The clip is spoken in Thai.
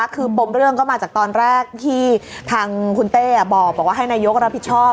คือปมเรื่องก็มาจากตอนแรกที่ทางคุณเต้บอกว่าให้นายกรับผิดชอบ